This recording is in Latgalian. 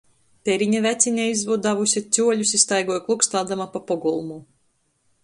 Perine Vecine izvoduojuse cuoļus i staigoj klukstādama pa pogolmu.